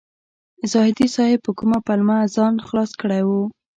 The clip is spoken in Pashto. زاهدي صیب په کومه پلمه ځان خلاص کړی و.